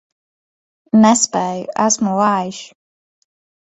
Nespēju, esmu vājš.